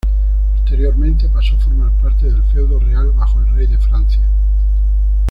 Posteriormente, pasó a formar parte del feudo real, bajo el rey de Francia.